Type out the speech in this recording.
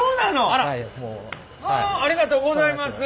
ありがとうございます。